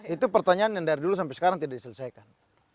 itu pertanyaan yang dari dulu sampai sekarang tidak diselesaikan